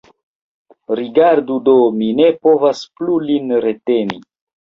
Rigardu do, mi ne povas plu lin reteni.